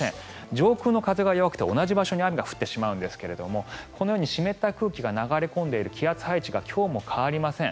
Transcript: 上空の風が弱くて同じ場所に雨が降ってしまうんですがこのように湿った空気が流れ込んでいる気圧配置が今日も変わりません。